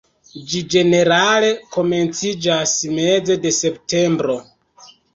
Ĝi ĝenerale komenciĝas meze de septembro.